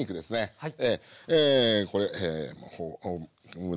はい。